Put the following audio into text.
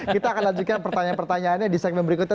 kita akan lanjutkan pertanyaan pertanyaannya di segmen berikutnya